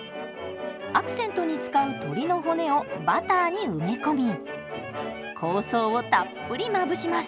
アクセントに使う鶏の骨をバターに埋め込み香草をたっぷりまぶします。